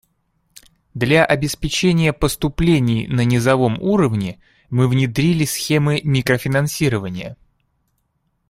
Для обеспечения поступлений на низовом уровне мы внедрили схемы микрофинансирования.